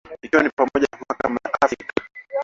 Ikiwa ni pamoja na Mahakama ya Haki ya Afrika